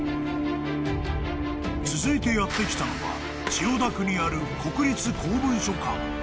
［続いてやって来たのは千代田区にある国立公文書館］